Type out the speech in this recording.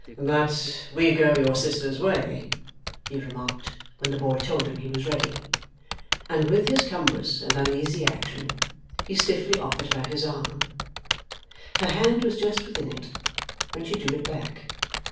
'But we go your sister's way,' he remarked, when the boy told him he was ready. And with his cumbrous and uneasy action he stiffly offered her his arm. Her hand was just within it, when she drew it back.